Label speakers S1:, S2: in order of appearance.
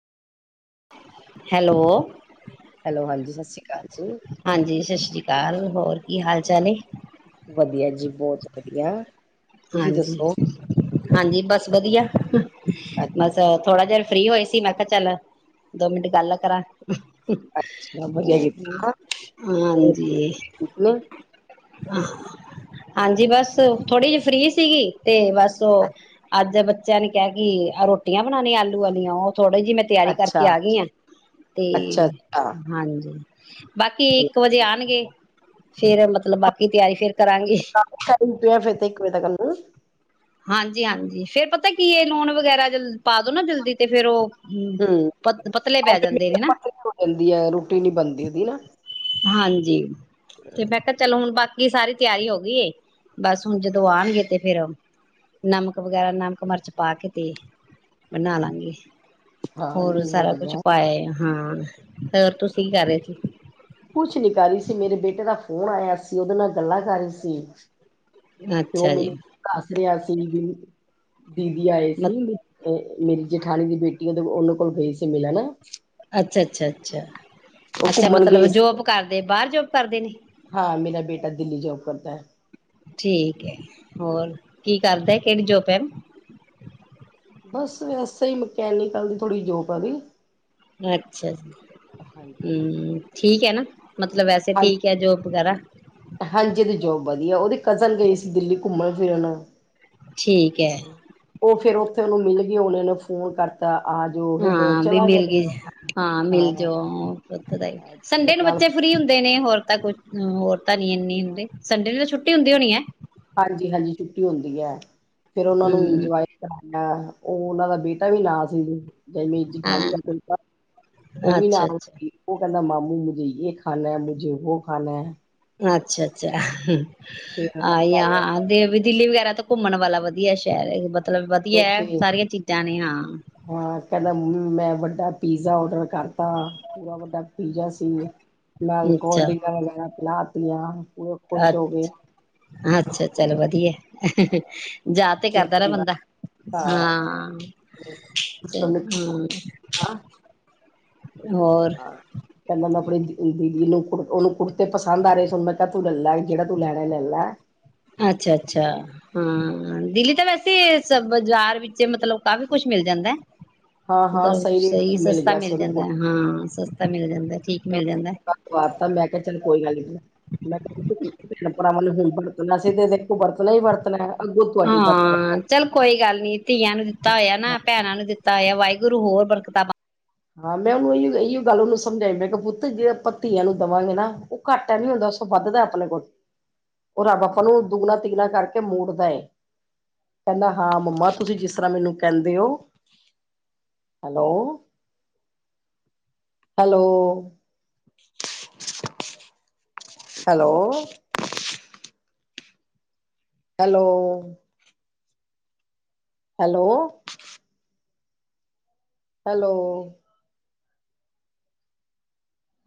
S1: Hello.
S2: Hello ਹਾਂਜੀ। ਸਤਿ ਸ਼੍ਰੀ ਅਕਾਲ ਜੀ
S1: ਹਾਂਜੀ, ਸ਼ਤਿ ਸ਼੍ਰੀ ਅਕਾਲ। ਹੋਰ ਕੀ ਹਾਲ ਚਾਲ ਐ?
S2: ਵਧੀਆ ਜੀ ਬਹੁਤ ਵਧੀਆ। ਤੁਸੀਂ
S1: ਹਾਂਜੀ
S2: ਦੱਸੋ
S1: ਹਾਂਜੀ ਬਸ ਵਧੀਆਂ।
S2: ਅ-
S1: ਬਸ ਥੋੜਾ, ਜਿਰ ਫਰੀ ਹੋਏ ਮੈਂ ਕਿਹਾ ਚੱਲ ਦੋ ਮਿੰਟ ਗੱਲ ਕਰਾਂ।
S2: ਅੱਛਾ ਵਧੀਆ ਕੀਤਾ, ਹੋਰ
S1: ਹਾਂਜੀ
S2: ਠੀਕ ਹੋ
S1: ਹਾਂਜੀ ਬਸ ਥੋੜੀ ਜਿਹੀ ਫ੍ਰੀ ਸੀਗੀ ਤੇ ਬਸ ਦੱਸੋ,
S2: ਅ-
S1: ਅੱਜ ਦੇ ਬੱਚੇ ਬੱਚਿਆਂ ਨੇ ਕਿਹਾ ਕਿ ਰੋਟੀਆਂ ਬਣਾਉਣੀਆਂ ਆਲੂ ਵਾਲੀਆਂ, ਉਹ ਥੋੜੀ ਜਿਹੀ ਮੈਂ ਤਿਆਰੀ
S2: ਅੱਛਾ
S1: ਕਰਕੇ ਆ ਗਈ ਐ, ਤੇ
S2: ਅੱਛਾ ਅੱਛਾ
S1: ਹਾਂਜੀ। ਹ ਬਾਕੀ ਇੱਕ ਵਜੇ ਆਉਣਗੇ, ਫੇਰ ਮਤਲਬ ਬਾਕੀ ਤਿਆਰੀ ਫੇਰ ਕਰਾਂਗੇ।
S2: ਕੁ
S1: ਹਾਂਜੀ ਹਾਂਜੀ, ਫੇਰ ਪਤਾ ਕੀ ਐ, ਨੂਨ ਵਗੈਰਾ ਜਲ ਪਾ ਦੋ ਨਾ ਜਲਦੀ ਤੇ, ਫੇਰ ਉਹ
S2: ਹਮ
S1: ਪਤ ਪਤਲੇ ਪੈ
S2: ਪਤਲੀ
S1: ਜਾਂਦੇ ਨੇ ਹਨਾ‌
S2: ਹੋ ਜਾਂਦੀ ਹੈ ਰੋਟੀ ਨੀ ਬਣਦੀ ਉਹਦੀ ਨਾ
S1: ਹਾਂਜੀ ਤੇ, ਮੈਂ ਕਿਹਾ ਚਲੋ ਹੁਣ ਬਾਕੀ ਕੀ ਸਾਰੀ ਤਿਆਰੀ ਹੋ ਗਈ ਆ, ਬਸ ਹੁਣ ਜਦੋਂ ਆਉਣਗੇ ਤੇ ਫੇਰ ਨਮਕ ਵਗੈਰਾ ਨਮਕ ਮਿਰਚ ਪਾ ਕੇ ਤੇ ਬਣਾ ਲਾਂਗੀ।
S2: ਹਾਂ
S1: ਹੋਰ
S2: ਨਹੀਂ
S1: ਸਾਰਾ ਕੁਛ
S2: ਵਧੀਆ
S1: ਪਾਇਆ ਆ। ਹਾਂ। ਹੋਰ ਤੁਸੀਂ ਕੀ ਕਰ ਰਹੇ ਸੀ?
S2: ਕੁਛ ਨੀ ਕਰ ਰਹੀ ਸੀ, ਮੇਰੇ ਬੇਟੇ ਦਾ ਫੋਨ ਆਇਆ ਸੀ। ਉਹਦੇ ਨਾਲ ਗੱਲਾਂ ਕਰ ਰਹੀ ਸੀ। ਤੇ, ਉਹ
S1: ਅੱਛਾ ਜੀ
S2: ਮੈਨੂੰ ਦੱਸ ਰਿਹਾ ਸੀ ਵੀ ਦੀਦੀ ਆਏ
S1: ਮ
S2: ਸੀ ਮੇਰੀ ਜੇਠਾਣੀ ਦੀ ਬੇਟੀ ਐ, ਉਹਨਾਂ ਕੋਲ ਗਈ ਸੀ ਮਿਲਣ
S1: ਅੱਛਾ ਅੱਛਾ ਅੱਛਾ। ਅੱਛਾ
S2: ਘੁੰਮਣ
S1: ਮਤਲਬ
S2: ਗਏ ਸੀ
S1: ਜੋਬ ਕਰਦੇ, ਬਾਹਰ ਜੋਬ ਕਰਦੇ ਨੇ?
S2: ਦਾ।
S1: ਠੀਕ ਹੈ ਹੋਰ ਕੀ ਕਰਦੇ। ਕਿਹੜੀ ਜੌਬ ਏ।
S2: ਬਸ ਵੈਸੇ ਈ ਮਕੈਨਿਕਲ ਦੀ ਥੋੜ੍ਹੀ ਜੋਬ ਆ ਥੋੜੀ।
S1: ਅੱਛਾ ਜੀ ਹੂੰ ਠੀਕ ਏ ਨਾ ਮਤਲਬ ਵੈਸੇ
S2: ਹਾਂ
S1: ਠੀਕ ਹੈ ਜੋਬ - ਵਗੈਰਾ
S2: ਹਾਂਜੀ ਓਦੀ ਜੋਬ ਵਧੀਆ। ਉਦੀ ਕਜ਼ਨ ਗਈ ਸੀ ਦਿੱਲੀ-ਘੁੰਮਣ ਫਿਰਨ।
S1: ਠੀਕ ਹੈ।
S2: ਉਹ ਫਿਰ ਉੱਥੇ ਉਹਨੂੰ ਮਿਲਗੀ ਉਹਨੇ ਨੂੰ ਫੋਨ ਕਰਤਾ ਆ ਜੋ ਇਹ ਬ-
S1: ਹਾਂ ਵੀ
S2: ਚਲਾ ਗਿਆ
S1: ਮਿਲ
S2: ਮੇਰਾ
S1: ਗੀ।
S2: ਬੇਟਾ
S1: ਹਾਂ ਮਿਲ ਜੋ ਉਥੋ ਦਾ ਈ ਸੰਡੇ
S2: ਤੇਰੇ
S1: ਨੂੰ
S2: ਨਾਲ
S1: ਬੱਚੇ ਫ੍ਰੀ ਹੁੰਦੇ ਨੇ। ਹੋਰ- ਤਾਂ ਕੁਛ ਹੂੰ ਹੋਰ ਤਾਂ ਨੀ ਇਨੀ
S2: ਫਿਰ-
S1: ਹੁੰਦੇ। ਸੰਡੇ ਨੂੰ ਤਾ ਛੁੱਟ
S2: ਹਾਂਜੀ ਹਾਂਜੀ ਛੁੱਟੀ ਹੁੰਦੀ ਐ। ਫੇਰ ਉਨਾਂ ਨੂੰ
S1: ਹੂੰ
S2: ਇੰਜੋਏ ਕਰ- ਆਹ ਉਹ ਉਨਾਂ ਦਾ ਬੇਟਾ ਵੀ ਨਾਲ ਸੀ। ਜੇ ਮੇਰੀ ਜਠਾਣੀ ਦਾ ਬੇਟਾ ਉਹ ਵੀ
S1: ਅੱਛਾ
S2: ਨਾਲ
S1: ਅੱਛਾ।
S2: ਸੀ। ਓ ਕਹਿੰਦਾ ਮਾਮੂ ਮੁਝੇ ਜੇ ਖਾਣਾ ਹੈ ਮੁਝੇ ਵੋ ਖਾਣਾ ਹੈ।
S1: ਅੱਛਾ ਅੱਛਾ
S2: ਫੇਰ
S1: ਆ ਜਹਾ ਆਂਦੇ ਫਿਰ - ਦਿੱਲੀ ਵਗੈਰਾ ਤਾਂ ਘੁੰਮਣ ਵਾਲਾ ਵਧੀਆ ਸ਼- ਹਿਰ ਮਤਲਬ ਵਧੀਆ ਐ।
S2: ਉੱਥੇ
S1: ਸਾਰੀਆਂ ਚੀਜ਼ਾਂ ਨੇ ਹਾਂ।
S2: ਹਾਂ ਕਹਿੰਦਾ ਮੰਮੀ ਮੈਂ- ਵੱਡਾ ਪੀਜ਼ਾ ਓਡਰ ਕਰਤਾ ਪੂਰਾ ਵੱਡਾ ਪੀਜ਼ਾ ਸੀ। ਨਾਲ ਕੋਲਡਿੰਰਕਾ ਮੰਗਾਈਆਂ। ਲਾਤੀਆਂ।
S1: ਅੱਛ ਅੱਛਾ ਚੱਲ ਵਧੀਆ ਯਾਦ ਤੇ
S2: ਫੇਰ
S1: ਕਰਦਾ ਰਏ
S2: ਕਹਿੰਦਾ
S1: ਬੰਦਾ ਹਾਂ
S2: ਸਿਸਟਰ ਨੇ
S1: ਹਾਂ
S2: ਹਾਂ
S1: ਹੋਰ
S2: ਕਹਿੰਦਾ ਮੈਂ ਆਪਣੇ ਜੀ- ਦੀਦੀ ਨੂੰ ਕੁ ਉਨੂੰ ਕੁੜਤੇ ਪਸੰਦ ਆ ਰੇ ਸਨ। ਮੈਂ ਕਿਹਾ ਤੂੰ ਲੈ ਲਾ। ਜਿਹੜਾ ਤੂੰ ਲੈਣਾ ਲੈ ਲਾ।
S1: ਅੱਛਾ ਅੱਛਾ ਹਾਂ ਦਿੱਲੀ ਤਾਂ ਵੈਸੇ- ਚ-ਬਾਜ਼ਾਰ ਵਿੱਚ ਮਤਲਬ ਕਾਫ਼ੀ ਕੁੱਛ ਮਿਲ ਜਾਂਦਾ।
S2: ਹਾਂ ਹਾਂ
S1: ਮਤਲਬ
S2: ਰੇਟ ਚ
S1: ਸਹੀ ਸਸਤਾ
S2: ਗਿਆ
S1: ਮਿਲ ਜਾਂਦਾ ਹਾਂ ਸਸਤਾ ਮਿਲ ਜਾਂਦਾ। ਠੀਕ ਮਿਲ
S2: [unintelligible]
S1: ਜਾਂਦਾ
S2: ਤਾ ਮੈਂ ਕਿਹਾ ਚਲ ਕੋਈ ਗੱਲ ਨੀ ਮੈਂ ਕਿਹਾ ਭੈਣਾ ਭਰਾਵਾਂ ਨੂੰ ਬਰਤਣਾ ਅਸੀਂ ਤੇ ਦੇਖੋ ਵਰਤਣਾ ਹੀ ਵਰਤਣਾ, ਅੱਗੋਂ ਤੁਹਾਡੀ ਵਰਤ
S1: ਹਾਂ ਚੱਲ ਕੋਈ ਗੱਲ ਨੀ ਧੀਆਂ ਨੂੰ ਦਿੱਤਾ ਹੋਇਆ ਨਾ ਭੈਣਾਂ ਨੂੰ ਦਿੱਤਾ। ਤਾ ਵਾਹਿਗੁਰੂ ਹੋਰ ਬਰਕਤਾ ਪਾਂ
S2: ਮੈਂ ਉਹਨੂੰ ਐਈਓ ਆਈਓ ਗੱਲ ਉਹਨੂੰ ਸਮਝਾਈ ਮੈਂ ਕਿ ਪੁੱਤ ਜੇ ਆਪਾਂ ਧੀਆਂ ਨੂੰ ਦੇਵਾਂਗੇ ਨਾ ਉਹ ਘਾਟਾ ਨੀ ਹੁੰਦਾ ਸੋ ਵੱਧਦਾ ਆਪਣੇ ਕੋਲ ਉਹ ਰੱਬ ਆਪਾਂ ਨੂੰ ਦੁਗਣਾ ਤੀਗਣਾ ਕਰਕੇ ਮੋੜਦਾ ਏ ਕਹਿੰਦਾ ਹਾਂ ਮੰਮਾ ਤੁਸੀਂ ਜਿਸ ਤਰ੍ਹਾਂ ਮੈਨੂੰ ਕਹਿੰਦੇ ਹੋ hello hello, hello, hello, hello, hello,